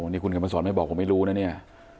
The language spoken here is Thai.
นี่คุณเข็มมาสอนไม่บอกผมไม่รู้นะเนี่ย